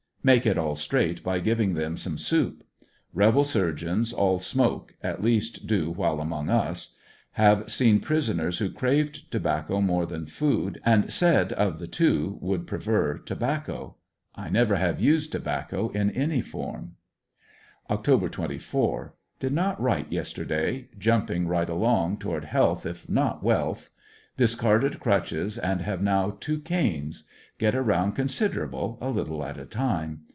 Make it all straight by giving them some soup. Rebel surgeons all smoke, at least do w^hile among us. Have seen prisoners who craved tobacco more than food, and said of the two would prefer tobacco. I never have used tobacco in any form . Oct. 24. — Did not write yesterday Jumping right along toward health if not wealth. Discarded crutches and have now two canes. Get around considerable, a little at a time.